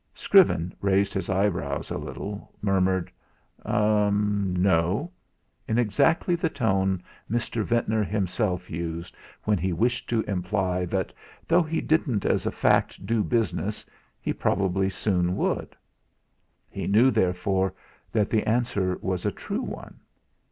Scriven, raising his eyebrows a little, murmured: "Er no," in exactly the tone Mr. Ventnor himself used when he wished to imply that though he didn't as a fact do business, he probably soon would. He knew therefore that the answer was a true one.